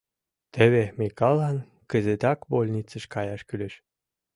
Теве Микаллан кызытак больницыш каяш кӱлеш.